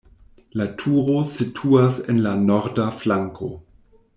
La turo situas en la norda flanko.